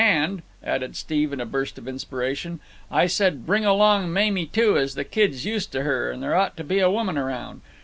And," added Steve in a burst of inspiration, "I said bring along Mamie, too, as the kid's used to her and there ought to be a woman around.